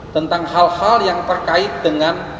tentang hal hal yang terkait dengan